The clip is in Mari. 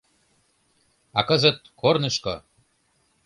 А кызыт — корнышко!